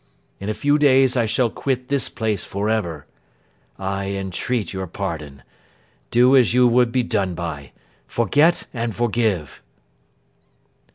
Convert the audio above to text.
In a few days I shall quit this place for ever. I entreat your pardon. Do as you would be done by! Forget and Forgive!